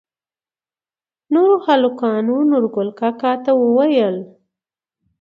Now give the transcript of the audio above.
نوور هلکانو نورګل کاکا ته وويل